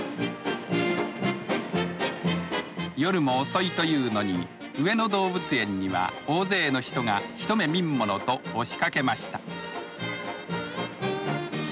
夜も遅いというのに上野動物園には大勢の人がひと目見んものと押しかけました。